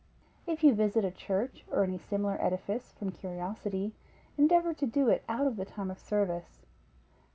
If you visit a church or any similar edifice, from curiosity, endeavor to do it out of the time of service.